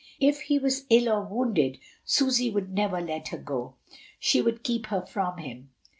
If he was ill or wounded, Susy would never let her go, she would keep her from him.